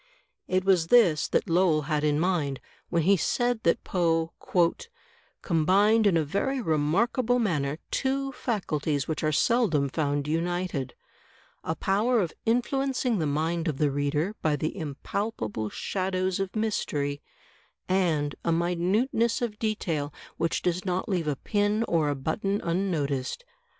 It was this that Lowell had in mind, when he said that Poe "combined in a very remarkable manner two faculties which are seldom found united, — a power of influencing the mind of the reader by the impalpable shadows of mystery, and a minuteness of detail which does not leave a pin or a button unnoticed.